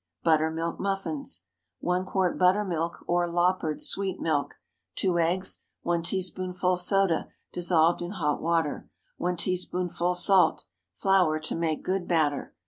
BUTTERMILK MUFFINS. 1 quart buttermilk, or "loppered" sweet milk. 2 eggs. 1 teaspoonful soda, dissolved in hot water. 1 teaspoonful salt. Flour to make good batter.